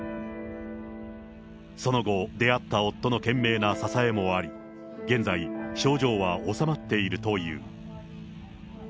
その後、出会った夫の懸命な支えもあり、現在、症状は治まっているという。